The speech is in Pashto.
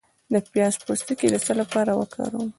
د پیاز پوستکی د څه لپاره وکاروم؟